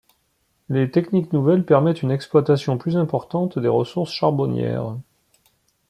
Les techniques nouvelles permettent une exploitation plus importante des ressources charbonnières.